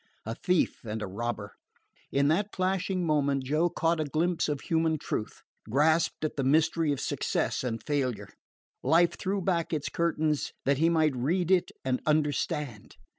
A thief and a robber! In that flashing moment Joe caught a glimpse of human truth, grasped at the mystery of success and failure. Life threw back its curtains that he might read it and understand.